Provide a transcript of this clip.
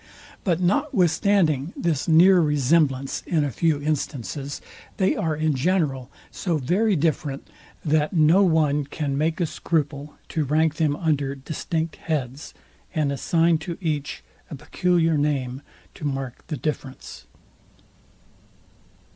But notwithstanding this near resemblance in a few instances, they are in general so very different, that no one can make a scruple to rank them under distinct heads, and assign to each a peculiar name to mark the difference.